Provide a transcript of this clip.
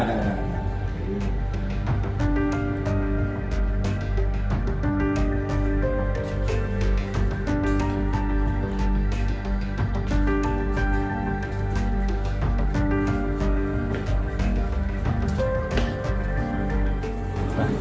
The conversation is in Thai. พี่อยู่แขนหรอครับ